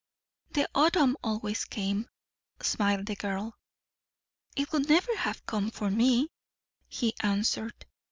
"The autumn always came," smiled the girl. "It would never have come for me," he answered.